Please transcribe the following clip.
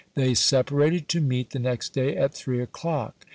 They separated to meet the next day at three o'clock.